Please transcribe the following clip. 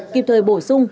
kịp thời bổ sung